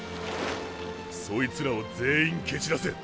そいつらを全員蹴散らせ！